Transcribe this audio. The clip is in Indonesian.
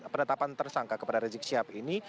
penetapan tersangka kepada rizik syihab ini